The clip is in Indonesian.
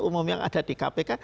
umum yang ada di kpk